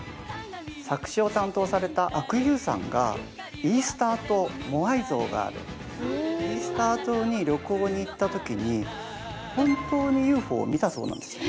作詞を担当された阿久悠さんがイースター島モアイ像があるイースター島に旅行に行った時に本当にＵＦＯを見たそうなんですよ。